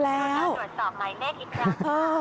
เราต้องตรวจสอบหมายเลขอีกครั้ง